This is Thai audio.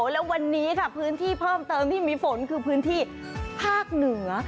และวันนี้ค่ะพื้นที่เพิ่มเติมที่มีฝนคือพื้นที่ภาคเหนือ